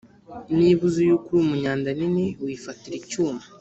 niba uzi yuko uri umunyandanini wifatira icyuma